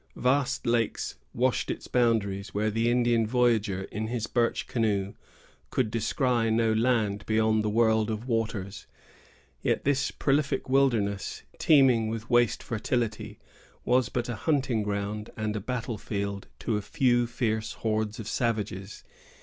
Vast lakes washed its boundaries, where the Indian voyager, in his birch canoe, could descry no land beyond the world of waters. Yet this prolific wilderness, teeming with waste fertility, was but a hunting ground and a battle field to a few fierce hordes of savages.